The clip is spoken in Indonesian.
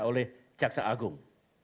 oleh jaksa agung